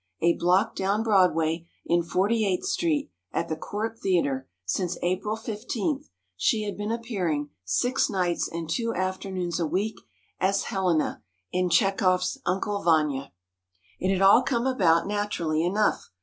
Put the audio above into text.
A block down Broadway, in 48th Street, at the Cort Theatre, since April 15, she had been appearing six nights and two afternoons a week, as Helena, in Chekhov's "Uncle Vanya." It had all come about naturally enough.